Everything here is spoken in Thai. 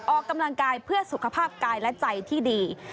ออกกำลังกายเพื่อสุขภาพกายและใจที่ดี